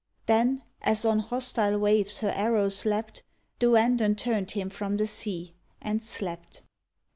Then, as on hostile waves her arrows leapt, Duandon turned him from the sea, and slept.